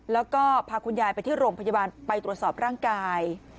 แล้วก็พาคุณยายไปที่โรงพยาบาลไปตรวจสอบร่างกาย